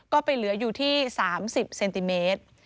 ก็ไปเหลืออยู่ที่๓๐เซนติเมตร